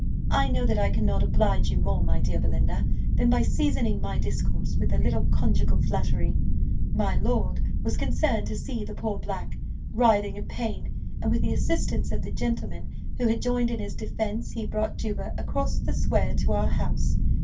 I know that I cannot oblige you more, my dear Belinda, than by seasoning my discourse with a little conjugal flattery. My lord was concerned to see the poor black writhing in pain; and with the assistance of the gentleman who had joined in his defence, he brought Juba across the square to our house.